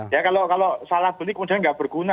ya kalau salah beli kemudian nggak berguna